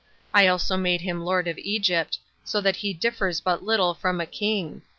I also made him lord of Egypt, so that he differs but little from a king.